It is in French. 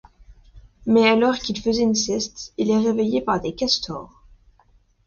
Mais alors qu'il fait une sieste, il est réveillé par des castors.